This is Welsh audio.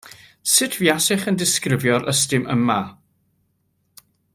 Sut fuasech yn disgrifio'r ystum yma?